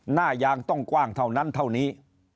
หน้ายางต้องกว้างเท่านั้นเท่านี้